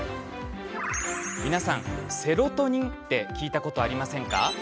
皆さん、セロトニンって聞いたことありますよね？